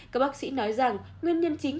các bác sĩ nói rằng nguyên nhân chính